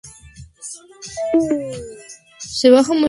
Magdalena es la novia de Daniele Cavalli, hijo del diseñador Roberto Cavalli.